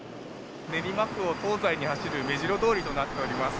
練馬区を東西に走る目白通りとなっております。